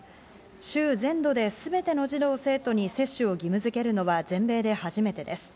州全土で全ての児童・生徒に接種を義務づけるのは全米で初めてです。